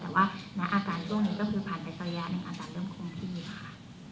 แต่ว่าในอาการตรงนี้ก็ผ่านไปตรงที่อาจด้านเริ่มคงที่ค่ะ